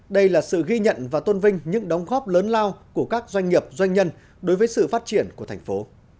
đây là sự ghi nhận và tôn vinh những đóng góp lớn lao của các doanh nghiệp doanh nhân đối với sự phát triển của thành phố